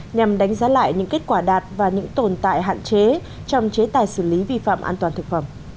nhằm đánh giá lại những kết quả đạt và những tồn tại hạn chế trong chế tài xử lý vi phạm an toàn thực phẩm